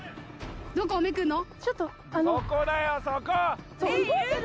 どこをめくるの？